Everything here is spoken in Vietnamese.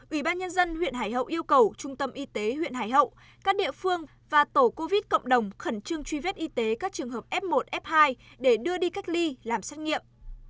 ủy ban nhân dân huyện hải hậu yêu cầu trung tâm y tế huyện hải hậu các địa phương và tổ covid cộng đồng khẩn trương truy vết y tế các trường hợp f một f hai để đưa đi cách ly làm xét nghiệm